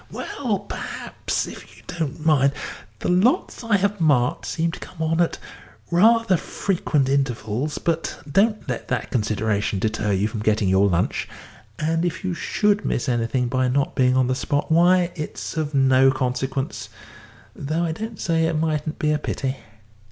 "Well, perhaps, if you don't mind. The lots I have marked seem to come on at rather frequent intervals, but don't let that consideration deter you from getting your lunch, and if you should miss anything by not being on the spot, why, it's of no consequence, though I don't say it mightn't be a pity.